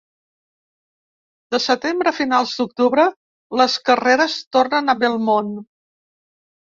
De setembre a finals d'octubre les carreres tornen a Belmont.